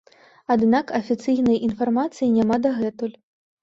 Аднак афіцыйнай інфармацыі няма дагэтуль.